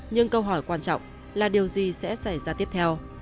nhưng câu hỏi quan trọng là điều gì sẽ xảy ra tiếp theo